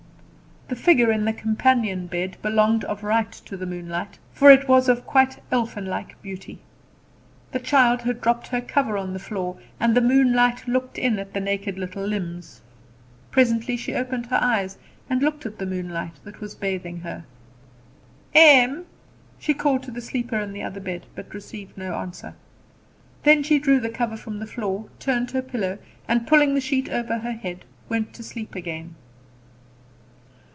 The figure in the companion bed belonged of right to the moonlight, for it was of quite elfin like beauty. The child had dropped her cover on the floor, and the moonlight looked in at the naked little limbs. Presently she opened her eyes and looked at the moonlight that was bathing her. "Em!" she called to the sleeper in the other bed; but received no answer. Then she drew the cover from the floor, turned her pillow, and pulling the sheet over her head, went to sleep again.